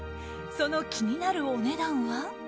その気になるお値段は？